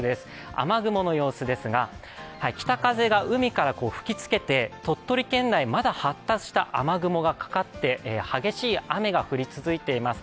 雨雲の様子ですが北風が海から吹きつけて、鳥取県内、まだ発達した雨雲がかかって激しい雨が降り続いています。